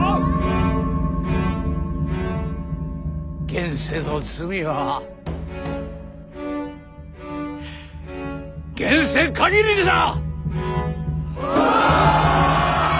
現世の罪は現世限りじゃ！